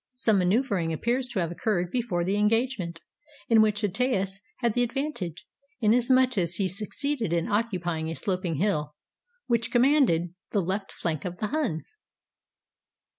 Some maneu vering appears to have occurred before the engagement, in which Aetius had the advantage, inasmuch as he succeeded in occupying a sloping hill, which commanded 544 HOW THE EMPIRE WAS SAVED the left flank of the Huns.